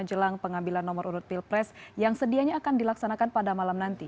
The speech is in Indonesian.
jelang pengambilan nomor urut pilpres yang sedianya akan dilaksanakan pada malam nanti